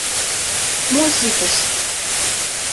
Мо ситыш?